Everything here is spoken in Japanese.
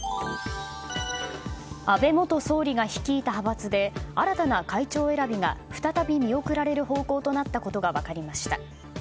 安倍元総理が率いた派閥で新たな会長選びが再び見送られる方向となったことが分かりました。